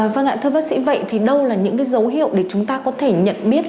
vâng ạ thưa bác sĩ vậy thì đâu là những dấu hiệu để chúng ta có thể nhận biết